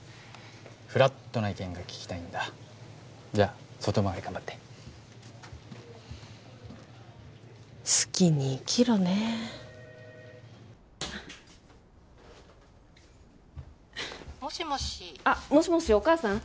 フラットな意見が聞きたいんだじゃあ外回り頑張って「好き、に生きろ」ねえもしもしあっもしもしお母さん？